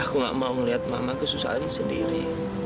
aku gak mau ngeliat mama kesusahannya sendiri